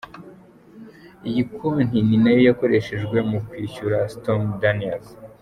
Iyi konti ni nayo yakoreshejwe mu kwishyura Stormy Daniels.